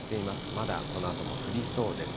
まだこのあとも降りそうです。